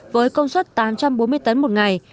với công suất tám trăm bốn mươi tấn một ngày